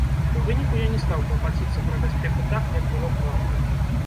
У выніку я не стаў клапаціцца пра бяспеку так, як было б варта.